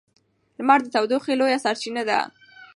لمر د تودوخې لویه سرچینه ده.